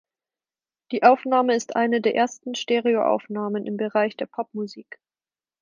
Die Aufnahme ist eine der ersten Stereoaufnahmen im Bereich der Popmusik.